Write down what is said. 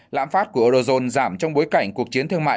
lãm phát của eurozone giảm trong bối cảnh cuộc chiến thương mại